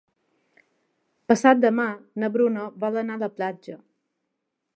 Demà passat na Bruna vol anar a la platja.